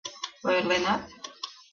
Ойырленат?